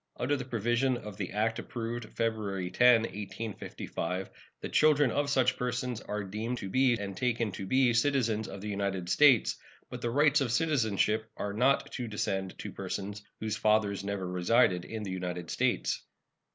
Under the provisions of the act approved February 10, 1855, the children of such persons are to be deemed and taken to be citizens of the United States, but the rights of citizenship are not to descend to persons whose fathers never resided in the United States.